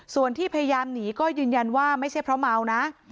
ส่วนที่พยายามหนีก็ยืนยันว่าไม่ใช่เพราะเมานะ